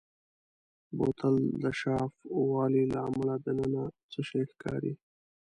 بوتل د شفاف والي له امله دننه څه شی ښکاري.